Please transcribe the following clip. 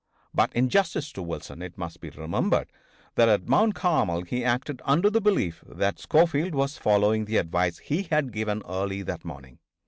But in justice to Wilson it must be remembered that at Mount Carmel he acted under the belief that Schofield was following the advice he had given early that morning.